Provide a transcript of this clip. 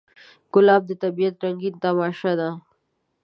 ګلاب د طبیعت رنګین تماشه ده.